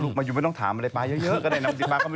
รู้จักนอั้มไหมนอั้มรู้จักพี่อั้มรู้จักซิ